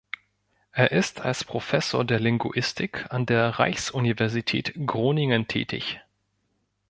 Er ist als Professor der Linguistik an der Reichsuniversität Groningen tätig.